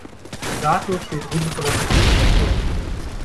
Ratlos steht Rudi vor der Paketstation.